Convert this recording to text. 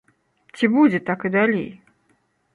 Ці будзе так і далей?